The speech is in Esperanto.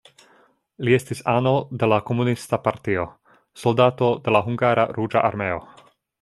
Li estis ano de la komunista partio, soldato de la hungara ruĝa armeo.